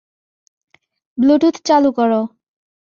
Bluetooth চালু করো।